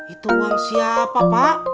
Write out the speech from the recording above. itu uang siapa pak